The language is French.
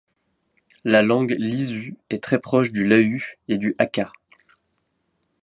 La langue lisu est très proche du lahu et du akha.